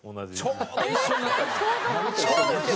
ちょうど一緒になった。